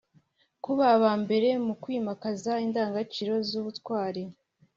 kuba abambere mu kwimakaza indangagaciro z’ubutwari